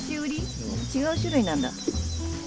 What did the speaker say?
違う種類なんだ。